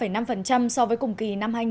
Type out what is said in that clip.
nước tăng ba năm so với cùng kỳ